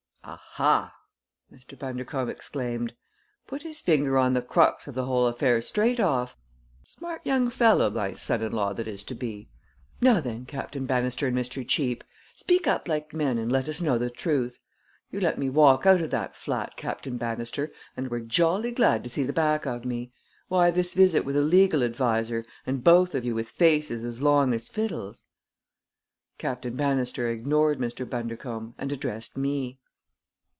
"Aha!" Mr. Bundercombe exclaimed. "Put his finger on the crux of the whole affair straight off! Smart young fellow, my son in law that is to be! Now, then, Captain Bannister and Mr. Cheape, speak up like men and let us know the truth. You let me walk out of that flat, Captain Bannister, and were jolly glad to see the back of me. Why this visit with a legal adviser, and both of you with faces as long as fiddles?" Captain Bannister ignored Mr. Bundercombe and addressed me.